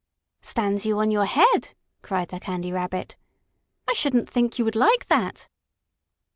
"Stands you on your head!" cried the Candy Rabbit. "I shouldn't think you would like that!"